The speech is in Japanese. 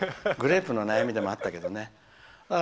グレープの悩みでもあったけどね。